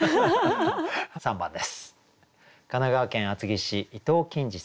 ３番です。